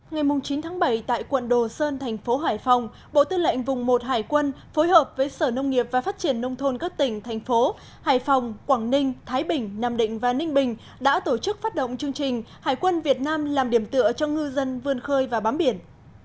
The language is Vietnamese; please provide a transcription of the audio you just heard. ngày chín tháng bảy tại quận đồ sơn thành phố hải phòng bộ tư lệnh vùng một hải quân phối hợp với sở nông nghiệp và phát triển nông thôn các tỉnh thành phố hải phòng quảng ninh thái bình nam định và ninh bình đã tổ chức phát động chương trình hải quân việt nam làm điểm tựa cho ngư dân vươn khơi và bám biển